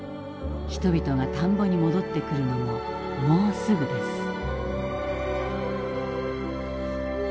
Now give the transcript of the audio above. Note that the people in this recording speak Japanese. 人々が田んぼに戻ってくるのももうすぐです。